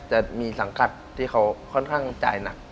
จะมีสังกัดที่เขาค่อนข้างจ่ายหนัก